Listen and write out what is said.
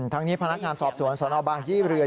ทั้งนี้พนักงานสอบสวนสนบางยี่เรือ